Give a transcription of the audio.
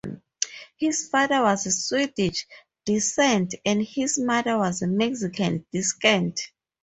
His father was of Swedish descent and his mother was of Mexican descent.